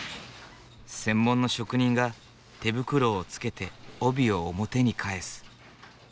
専門の職人が手袋をつけて帯を表に返す。